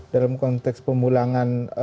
dalam konteks pemulangan